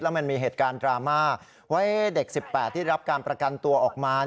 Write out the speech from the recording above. มันมีเหตุการณ์ดราม่าว่าเด็ก๑๘ที่รับการประกันตัวออกมา